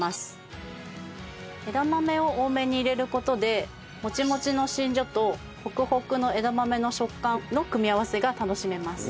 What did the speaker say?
枝豆を多めに入れる事でモチモチのしんじょとホクホクの枝豆の食感の組み合わせが楽しめます。